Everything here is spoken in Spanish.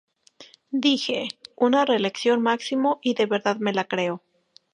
Dije 'una reelección máximo y de verdad me la creo'.